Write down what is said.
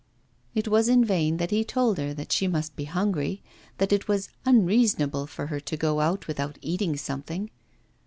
It was in vain that he told her that she must be hungry, that it was unreasonable for her to go out without eating something.